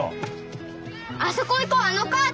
あそこ行こうあのカート！